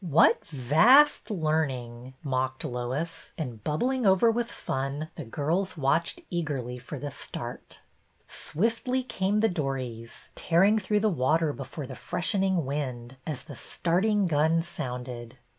'' What vast learning !" mocked Lois, and bub bling over with fun the girls watched eagerly for the start. Swiftly came the dories, tearing through the water before the freshening wind, as the starting gun sounded.